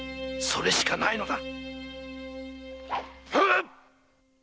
それしかないのだ！